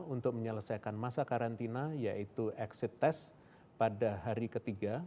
untuk menyelesaikan masa karantina yaitu exit test pada hari ketiga